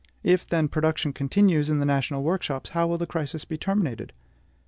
If, then, production continues in the national workshops, how will the crisis be terminated?